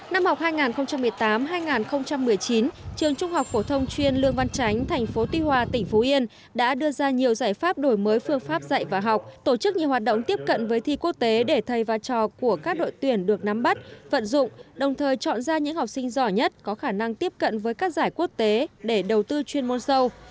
năm học hai nghìn một mươi tám hai nghìn một mươi chín trường trung học phổ thông chuyên lương văn tránh tp tuy hòa tỉnh phú yên đã đưa ra nhiều giải pháp đổi mới phương pháp dạy và học tổ chức nhiều hoạt động tiếp cận với thi quốc tế để thay vai trò của các đội tuyển được nắm bắt vận dụng đồng thời chọn ra những học sinh giỏi nhất có khả năng tiếp cận với các giải quốc tế để đầu tư chuyên môn sâu